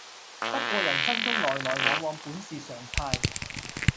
不過人生中來來往往本是常態